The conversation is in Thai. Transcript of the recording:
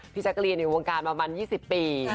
แจ๊กรีนในวงการประมาณ๒๐ปี